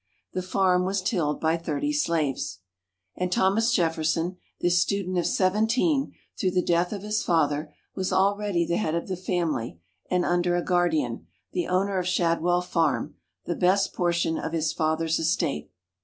The farm was tilled by thirty slaves. And Thomas Jefferson, this student of seventeen, through the death of his father, was already the head of the family, and under a guardian, the owner of Shadwell Farm, the best portion of his father's estate.